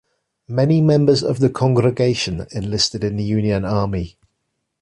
Many members of the congregation enlisted in the Union Army.